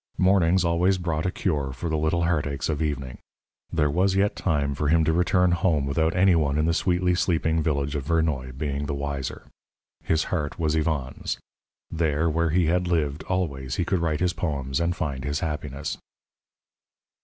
Mornings always brought a cure for the little heartaches of evening. There was yet time for him to return home without any one in the sweetly sleeping village of Vernoy being the wiser. His heart was Yvonne's; there where he had lived always he could write his poems and find his happiness.